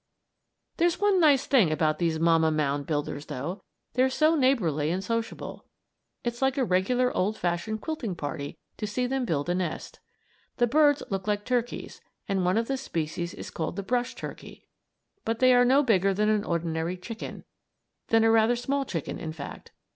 There's one nice thing about these mamma mound builders, though; they're so neighborly and sociable. It's like a regular old fashioned quilting party to see them build a nest. The birds look like turkeys, and one of the species is called the "brush turkey," but they are no bigger than an ordinary chicken than a rather small chicken, in fact.